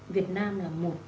việt nam là một